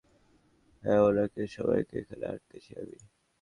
হ্যাঁ, ওনাদের সবাইকে এখানে আটকেছি আমি।